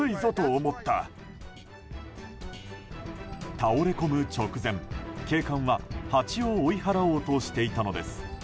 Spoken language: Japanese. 倒れ込む直前、警官はハチを追い払おうとしていたのです。